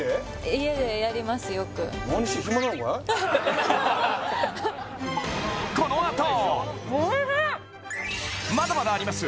家でやりますよくまだまだあります